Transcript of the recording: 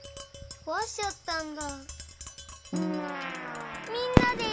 こわしちゃったんだ。